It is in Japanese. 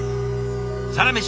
「サラメシ」